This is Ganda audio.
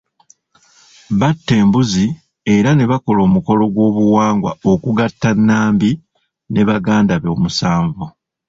Batta embuzi, era ne bakola omukolo gw'obuwangwa okugatta Nambi ne baganda be omusanvu.